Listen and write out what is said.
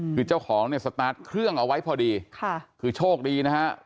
คือเจ้าของเนี่ยสตาร์ทเครื่องเอาไว้พอดีค่ะคือโชคดีนะฮะ